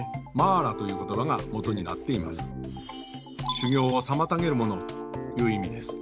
「修行を妨げるもの」という意味です。